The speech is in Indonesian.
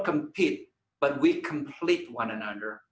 tapi kita bergabung dengan satu sama lain